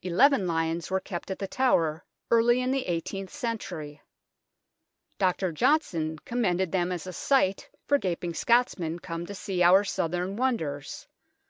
Eleven lions were kept at The Tower early in the eighteenth century. Dr. Johnson commended them as a sight for gaping Scots men come to see our southron wonders.